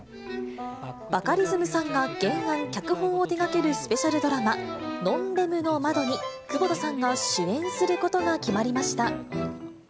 バカリズムさんが原案・脚本を手がけるスペシャルドラマ、ノンレムの窓に、窪田さんが主演することが決まりました。